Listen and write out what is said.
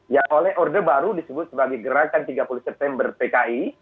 yang oleh orde baru disebut sebagai gerakan tiga puluh september pki